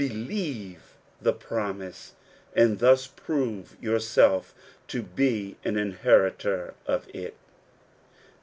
believe the promise, and thus prove yourself to be an inheritor of it.